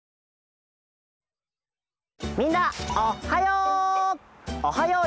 みんなおっはよう！